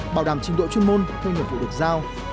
bảo đảm trình độ chuyên môn theo nhiệm vụ được giao